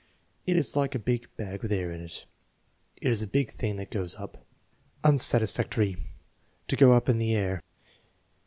"It is like a big bag with air in it. "It is a big thing that goes up." Unsatisfactory. "To go up in the air."